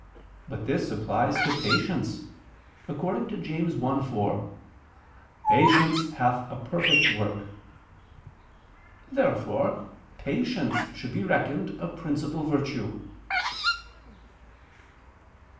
But this applies to patience, according to James 1:4: "Patience hath a perfect work." Therefore patience should be reckoned a principal virtue.